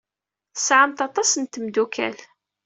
Tesɛamt aṭas n tmeddukal.